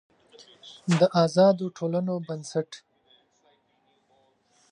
د آزادو ټولنو بنسټ